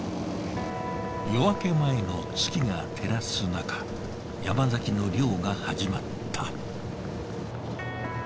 夜明け前の月が照らすなか山崎の漁が始まった。